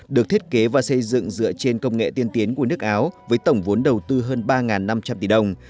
được thiết kế và xây dựng dựa trên công nghệ tiên tiến của nước áo với tổng vốn đầu tư hơn ba năm trăm linh tỷ đồng